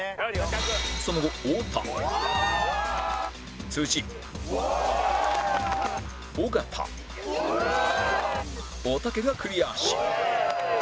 その後太田尾形おたけがクリアし